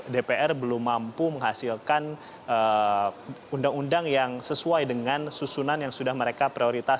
dpr belum mampu menghasilkan undang undang yang sesuai dengan susunan yang sudah mereka prioritas